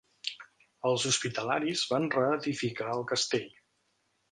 Els hospitalaris van reedificar el castell.